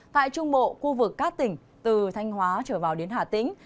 tại trung bộ khu vực các tỉnh từ thanh hóa trở vào đến hà tĩnh